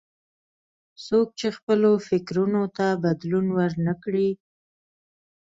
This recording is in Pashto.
څوک چې خپلو فکرونو ته بدلون ور نه کړي.